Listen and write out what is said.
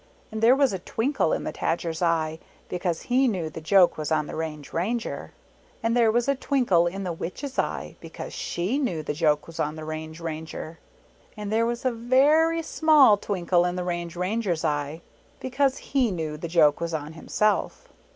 18 And there was a twinkle in the Tajer's eye, because he knew the joke was on the Range Ranger. And there was a twinkle in the Witch's eye, because she knew the joke was on the Range Ranger. And there was a very small twinkle in the Range Ranger's eye, because he knew the joke was on himself.